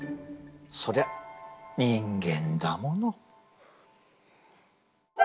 そりゃ人間だもの。